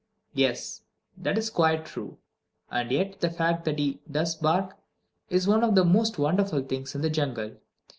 Yes, that is quite true. And yet the fact that he does bark is one of the most wonderful things in the jungle.